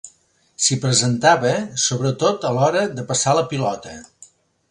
S'hi presentava, sobretot a l'hora de passar la pilota.